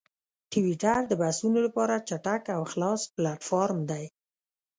ټویټر د بحثونو لپاره چټک او خلاص پلیټفارم دی.